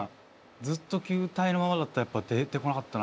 ずっと球体のままだったらやっぱ出てこなかったな。